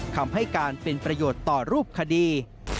คำให้การเป็นประโยชน์ต่อรูปคดี